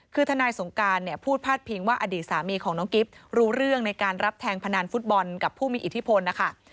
คือทนายสงการเนี่ยพูดพาดพิงว่าอดีตสามีของน้องกิฟต์รู้เรื่องในการรับแทงพนันฟุตบอลกับผู้มีอิทธิพลนะคะ